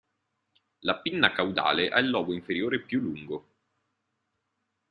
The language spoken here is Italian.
La pinna caudale ha il lobo inferiore più lungo.